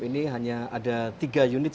ini hanya ada tiga unit